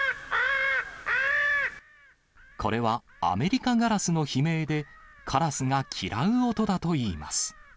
これはアメリカガラスの悲鳴で、カラスが嫌う音だといいます。